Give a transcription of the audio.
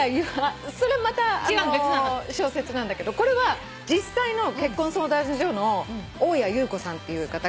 それまたあのう小説なんだけどこれは実際の結婚相談所の大屋優子さんっていう方が書いて。